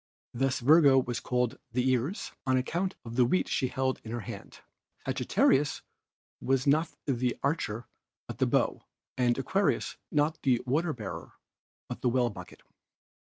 Thus Virgo was called the Ears, on account of the wheat she held in her hand ; Sagittarius was not the Archer but the Bow, and Aquarius not the Water bearer but the Well Bucket.